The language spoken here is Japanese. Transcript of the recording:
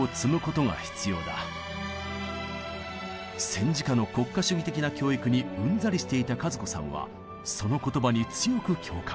戦時下の国家主義的な教育にうんざりしていた和子さんはその言葉に強く共感。